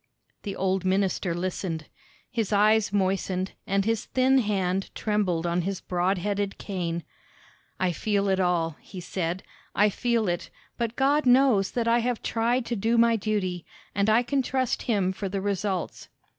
The old minister listened. His eyes moistened, and his thin hand trembled on his broad headed cane. "I feel it all," he said; "I feel it, but God knows that I have tried to do my duty, and I can trust him for the results."